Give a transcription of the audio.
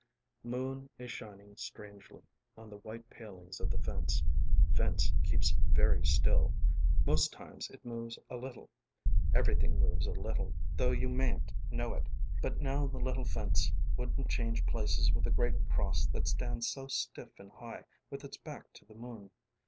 Moon is shining strangely on the white palings of the fence. Fence keeps very stillŌĆ" most times it moves a littleŌĆ" everything moves a little though you mayn't know itŌĆ" but now the little fence wouldn't change places with the great cross that stands so stiff and high with its back to the moon.